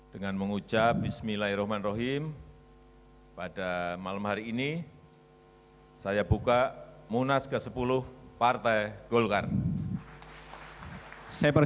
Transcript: dengan mengucap bismillahirrahmanirrahim pada malam hari ini saya buka munas ke sepuluh partai golkar